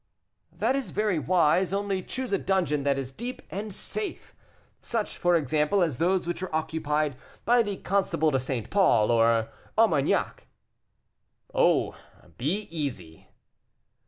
"That is very wise: only choose a dungeon that is deep and safe such for example, as those which were occupied by the Constable de St. Paul, or Armagnac." "Oh! be easy."